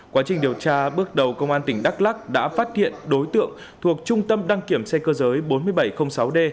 quá trình điều tra bước đầu công an tỉnh đắk lắc đã phát hiện đối tượng thuộc trung tâm đăng kiểm xe cơ giới bốn nghìn bảy trăm linh sáu d